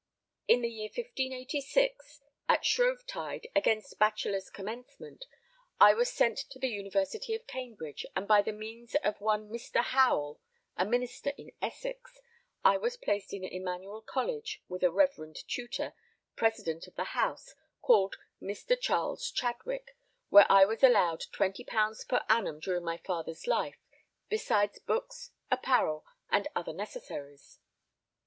In the year 1586 at Shrovetide, against bachelor's commencement, I was sent to the University of Cambridge, and by the means of one Mr. Howell, a Minister in Essex, I was placed in Emanuel College with a reverend tutor, President of the house, called Mr. Charles Chadwick, where I was allowed 20_l._ per annum during my father's life, besides books, apparel, and other necessaries.